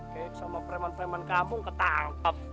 kayak sama preman preman kampung ketangkap